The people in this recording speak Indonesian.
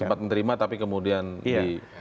sempat menerima tapi kemudian di